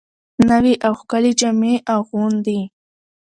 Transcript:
نوې او ښکلې جامې اغوندي